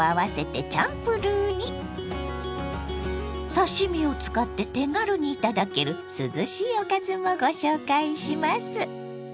刺身を使って手軽に頂ける涼しいおかずもご紹介します。